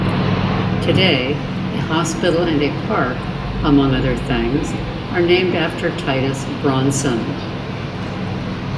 Today, a hospital and a park, among other things, are named after Titus Bronson.